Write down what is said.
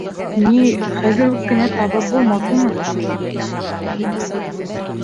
Ни, хәҙер үк кенә табып булмаҫ уны.